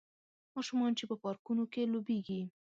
ماشومان چې په پارکونو کې لوبیږي